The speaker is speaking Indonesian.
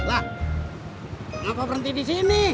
lah kenapa berhenti di sini